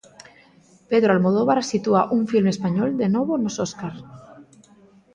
Pedro Almodóvar sitúa un filme español de novo nos Óscar.